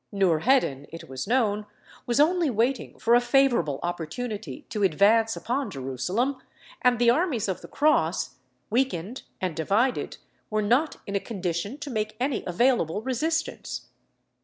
Nourheddin, it was known, was only waiting for a favourable opportunity to advance upon Jerusalem, and the armies of the cross, weakened and divided, were not in a condition to make any available resistance.